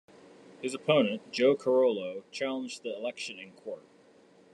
His opponent, Joe Carollo, challenged the election in court.